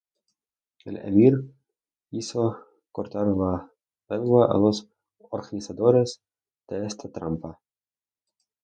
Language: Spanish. El emir hizo cortar la lengua a los organizadores de esta trampa.